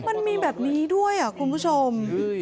มันมีแบบนี้ด้วยคุณผู้ชม